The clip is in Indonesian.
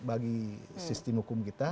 bagi sistem hukum kita